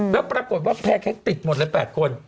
แล้วปรากฏว่าแพร่เค้กติดหมดเลย๘คน